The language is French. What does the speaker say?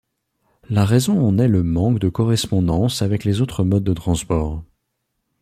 La raison en est le manque de correspondances avec les autres modes de transport.